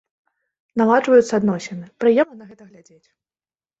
Наладжваюцца адносіны, прыемна на гэта глядзець.